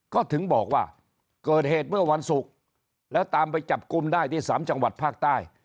ก็ถึงบอกว่าเกิดเหตุเมื่อวันศุกร์แล้วตามไปจับกลุ่มได้ที่๓จังหวัดภาคใต้